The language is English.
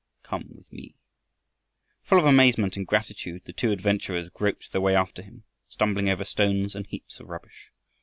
"Come with me." Full of amazement and gratitude the two adventurers groped their way after him, stumbling over stones and heaps of rubbish.